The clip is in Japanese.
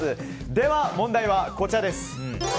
では、問題はこちらです。